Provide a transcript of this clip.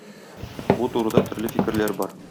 Бу турыда төрле фикерләр бар.